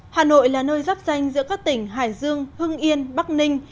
hà nội là nơi dắp danh giữa các tỉnh hải dương hưng yên bắc ninh